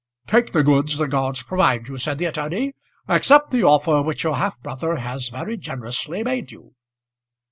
"Take the goods the gods provide you," said the attorney. "Accept the offer which your half brother has very generously made you."